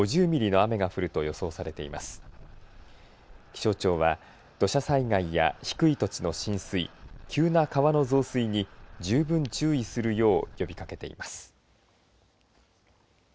気象庁は土砂災害や低い土地の浸水急な川の増水に十分注意するよう呼びかけています。